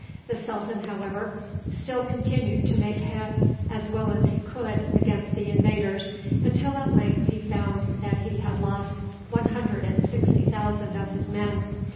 The sultan, however, still continued to make head as well as he could against the invaders, until at length he found that he had lost one hundred and sixty thousand of his men.